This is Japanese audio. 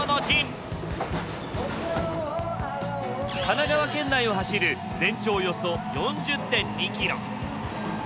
神奈川県内を走る全長およそ４０．２キロ。